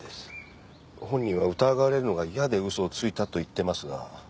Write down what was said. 本人は疑われるのが嫌で嘘をついたと言ってますが。